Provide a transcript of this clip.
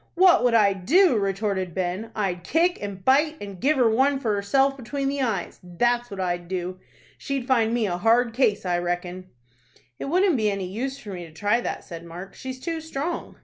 "What would I do?" retorted Ben. "I'd kick, and bite, and give her one for herself between the eyes. That's what I'd do. She'd find me a hard case, I reckon." "It wouldn't be any use for me to try that," said Mark. "She's too strong."